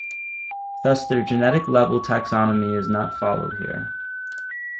Thus, their generic-level taxonomy is not followed here.